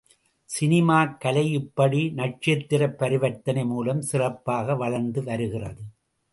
சினிமாக் கலை இப்படி நக்ஷத்திர பரிவர்த்தனை மூலம் சிறப்பாக வளர்ந்து வருகிறது.